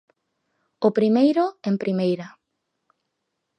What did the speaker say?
O primeiro en Primeira.